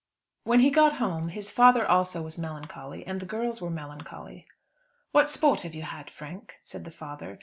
When he got home his father also was melancholy, and the girls were melancholy. "What sport have you had, Frank?" said the father.